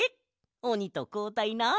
おにとこうたいな！